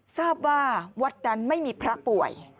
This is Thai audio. ทราบว่าวัดนั้นไม่มีพระป่วย